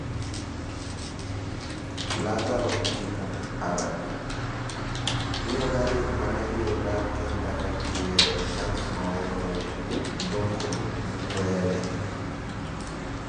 Laazaro khunjipu araka: miiyo kaari mmana khiwula kintaaka khiye na nsoma nwulweene, nthunkulu nwulweene.